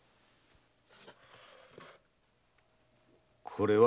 これは？